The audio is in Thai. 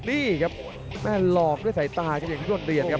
นี่ครับแม่หลอกด้วยสายตาครับอย่างที่รวดเรียนครับ